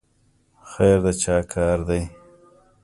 خیر د چا کار دی؟